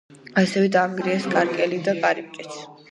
ასევე დაანგრიეს კანკელი და კარიბჭეც.